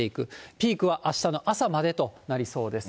ピークはあしたの朝までとなりそうです。